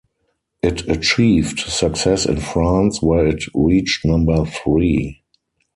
It achieved success in France where it reached number three.